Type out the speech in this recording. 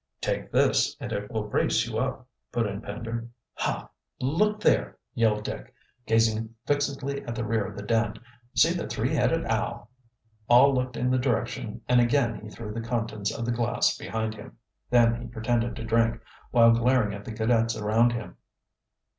"Take this and it will brace you up," put in Pender. "Ha, look there!" yelled Dick, gazing fixedly at the rear of the den. "See the three headed owl!" All looked in the direction and again he threw the contents of the glass behind him. Then he pretended to drink, while glaring at the cadets around him.